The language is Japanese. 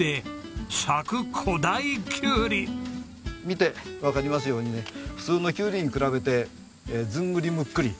見てわかりますようにね普通のキュウリに比べてずんぐりむっくり。